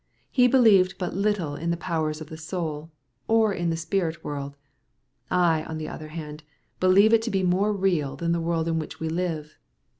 He believed but little in the powers of the soul, or in the spirit world; I, on the other hand, believe it to be more real than the world in which we live."